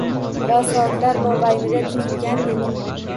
Va soatlar mobaynida tikilgandek.